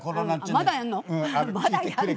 まだやんの。